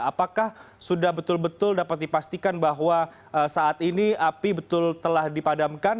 apakah sudah betul betul dapat dipastikan bahwa saat ini api betul telah dipadamkan